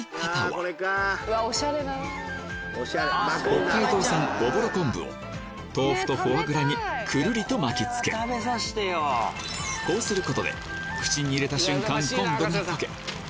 北海道産おぼろ昆布を豆腐とフォアグラにくるりと巻きつけるこうすることで口に入れた瞬間